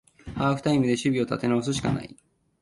ハーフタイムで守備を立て直すしかない